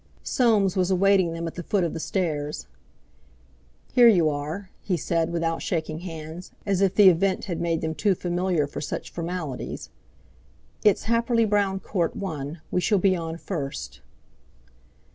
Soames was awaiting them at the foot of some stairs. "Here you are!" he said, without shaking hands, as if the event had made them too familiar for such formalities. "It's Happerly Browne, Court I. We shall be on first."